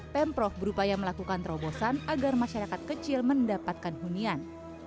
pemprov berupaya melakukan terobosan agar masyarakat kecil mendapatkan hunian